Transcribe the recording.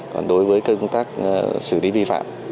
còn đối với công tác xử lý vi phạm